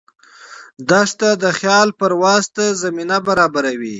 دښته د خیال پرواز ته زمینه برابروي.